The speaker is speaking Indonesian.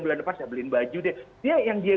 bulan depan saya beli baju deh yang dia